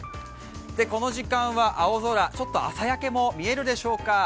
この時間は青空、ちょっと朝焼けも見えるでしょうか。